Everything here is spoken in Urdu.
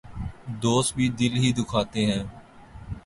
دوست بھی دل ہی دکھانے آئے